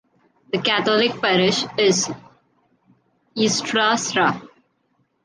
The Catholic Parish is Nuestra Sra.